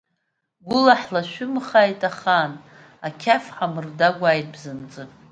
Гәыла ҳлашәымхааит ахаан, ақьаф ҳамырдагәааит бзанҵы!